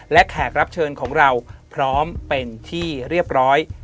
และแขกรับเชิญของเราพร้อมเป็นที่เรียบร้อย